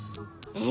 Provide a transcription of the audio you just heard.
え？